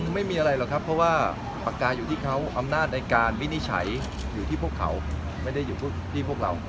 ไม่มีอะไรหรอกครับเพราะว่าปากกาอยู่ที่เขาอำนาจในการวินิจฉัยอยู่ที่พวกเขาไม่ได้อยู่ที่พวกเรา